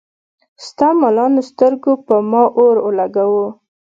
ستا ملالو سترګو پۀ ما اور اولګوو